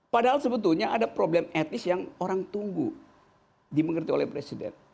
padahal sebetulnya ada problem etis yang orang tunggu dimengerti oleh presiden